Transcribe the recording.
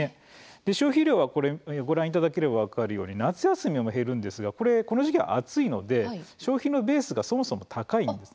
消費量はご覧いただければ分かるように夏休みも減るんですがこの時期は暑いので消費のベースがそもそも高いんです。